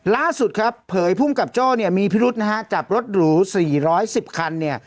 ล่าสุดเผยภูมิกับโจ้มีพิรุษจับรถหรู๔๑๐คัน